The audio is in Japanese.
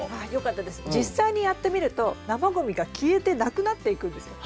実際にやってみると生ごみが消えてなくなっていくんですよ。